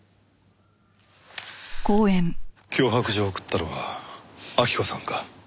脅迫状を送ったのは晃子さんか。